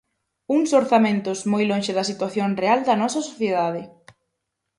Uns orzamentos moi lonxe da situación real da nosa sociedade.